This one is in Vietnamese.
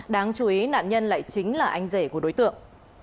đáng chú ý nạn nhân lại chính là anh rể của đối tượng